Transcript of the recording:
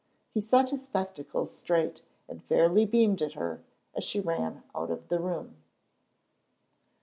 He set his spectacles straight and fairly beamed at her, as she ran out of the room.